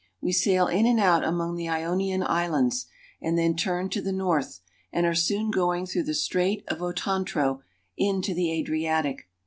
We sail in and out among the Ionian Islands, and then turn to the north, and are soon going through the Strait of Otranto into the Adriatic.